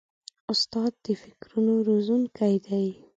استاد د فکرونو روزونکی دی.